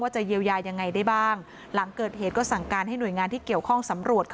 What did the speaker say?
จะเยียวยายังไงได้บ้างหลังเกิดเหตุก็สั่งการให้หน่วยงานที่เกี่ยวข้องสำรวจ